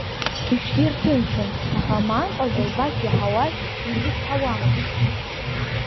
Иҽирҭынчон, аха Маан Ҟазылбақь иаҳауаз изычҳауамызт.